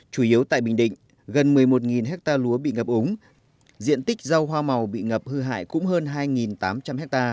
chủ yếu tại bình định gần một mươi một ha lúa bị ngập úng diện tích rau hoa màu bị ngập hư hại cũng hơn hai tám trăm linh ha